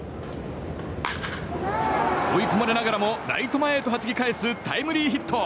追い込まれながらもライト前へとはじき返すタイムリーヒット。